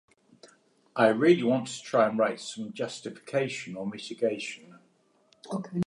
I really want to try and write some justification or mitigation.